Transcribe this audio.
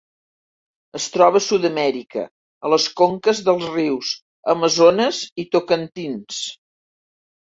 Es troba a Sud-amèrica, a les conques dels rius Amazones i Tocantins.